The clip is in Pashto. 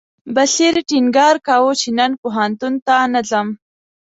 بصیر ټینګار کاوه چې نن پوهنتون ته نه ځم.